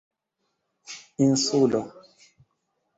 insulo